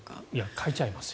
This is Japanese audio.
書いちゃいますよ。